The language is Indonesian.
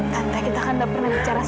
tante kita kan udah pernah bicara soal